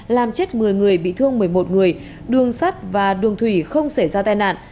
làm chết một mươi người bị thương một mươi một người đường sắt và đường thủy không xảy ra tai nạn